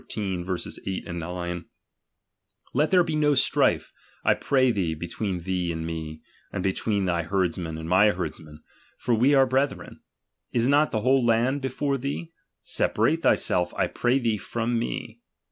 8, 9) ; Let there be no strife, I pray thee, between thee and me, and between thy herd men a?id my herdmen; for we be brethren. Is not the whole land before thee ? Separate thyself, I pray thee from me.